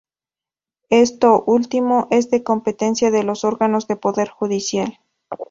Esto último es de competencia de los órganos del Poder Judicial.